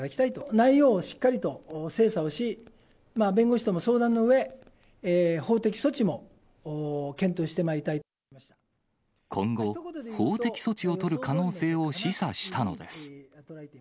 内容をしっかりと精査をし、弁護士とも相談のうえ、今後、法的措置を取る可能性を示唆したのです。